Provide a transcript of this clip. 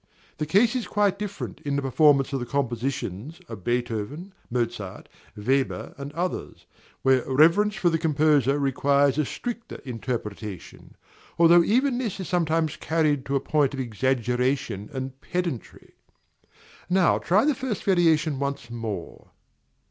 The case is quite different in the performance of the compositions of Beethoven, Mozart, Weber, and others, where reverence for the composer requires a stricter interpretation, although even this is sometimes carried to a point of exaggeration and pedantry. Now try the first variation once more.